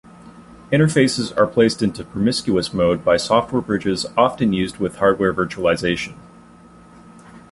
Interfaces are placed into promiscuous mode by software bridges often used with hardware virtualization.